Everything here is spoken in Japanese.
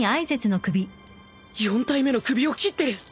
４体目の首を斬ってる！